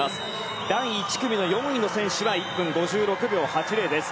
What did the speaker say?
第１組の４位の選手が１分５６秒８０です。